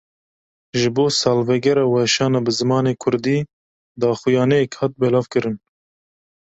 Ji bo salvegera weşana bi zimanê Kurdî, daxuyaniyek hat belavkirin